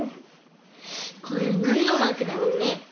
これなんのマークだろうね？